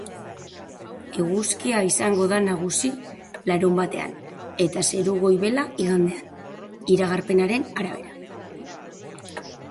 Eguzkia izango da nagusi larunbatean eta zeru goibela igandean, iragarpenaren arabera.